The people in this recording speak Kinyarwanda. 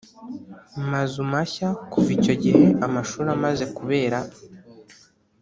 mazu mashya Kuva icyo gihe amashuri amaze kubera